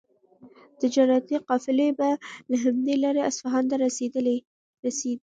تجارتي قافلې به له همدې لارې اصفهان ته رسېدې.